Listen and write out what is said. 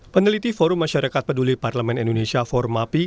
peneliti forum masyarakat peduli parlemen indonesia formapi